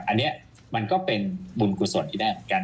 อันนี้มันก็เป็นบุญกุศลที่ได้เหมือนกัน